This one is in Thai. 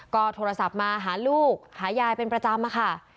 ก็โทรศัพท์มาหาลูกหายายเป็นประจำค่ะ